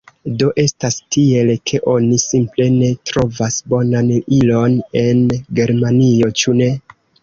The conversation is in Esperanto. Do, estas tiel, ke oni simple ne trovas bonan ilon en Germanio, ĉu ne?